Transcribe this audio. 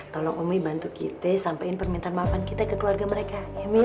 tolong omik bantu kita sampein permintaan maafan kita ke keluarga mereka